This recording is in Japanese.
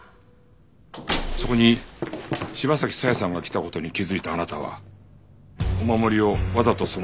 そこに柴崎佐江さんが来た事に気づいたあなたはお守りをわざとその場に置いた。